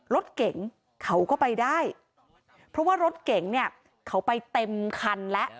รถเก๋งเขาก็ไปได้เพราะว่ารถเก่งเนี่ยเขาไปเต็มคันแล้ว